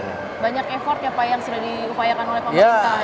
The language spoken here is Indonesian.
ada banyak effort ya pak yang sudah diupayakan oleh pemerintah